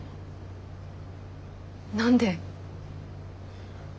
何で？